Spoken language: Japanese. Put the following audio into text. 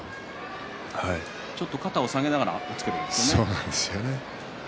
ちょっと肩を下げながら押っつけていくんですね。